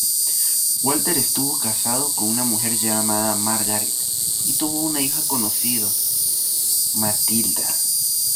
Walter estuvo casado con una mujer llamada Margaret, y tuvo una hija conocido, Matilda.